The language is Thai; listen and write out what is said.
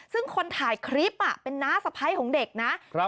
ซึ่งคนถ่ายคลิปเป็นน้าสะพ้ายของเด็กนะ